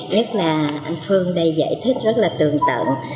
nhất là anh phương đây giải thích rất là tưởng tượng